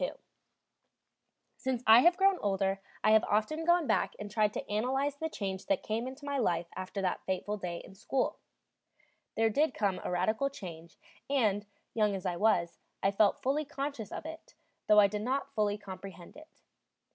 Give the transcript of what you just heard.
II Since I have grown older I have often gone back and tried to analyze the change that came into my life after that fateful day in school. There did come a radical change, and, young as I was, I felt fully conscious of it, though I did not fully comprehend it.